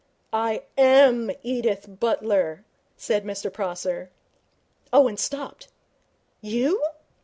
'I am Edith Butler,' said Mr Prosser. Owen stopped. 'You?'